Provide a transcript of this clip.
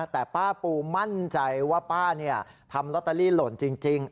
แต่ป้าปูมั่นใจว่าป้าทำลอตเตอรี่หล่นจริง